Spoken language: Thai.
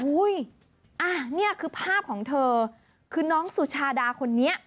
นี่คือภาพของเธอคือน้องสุชาดาคนนี้